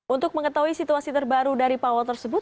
untuk mengetahui situasi terbaru dari pawal tersebut